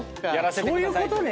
そういうことね。